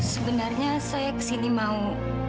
sebenarnya saya kesini mau